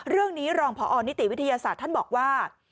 เรื่องนี้รองพอนิติวิทยาศาสตร์ท่านบอกว่า